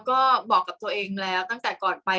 กากตัวทำอะไรบ้างอยู่ตรงนี้คนเดียว